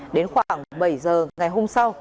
đến khoảng bảy h ngày hôm sau